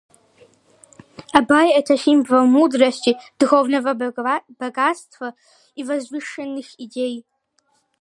Абай - это символ мудрости, духовного богатства и возвышенных идей.